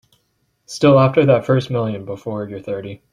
Still after that first million before you're thirty.